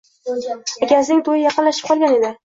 Akasining toʻyi yaqinlashib qolgan edi.